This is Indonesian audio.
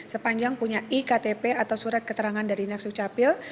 sepanjang punya iktp atau surat keterangan dari naksuk capil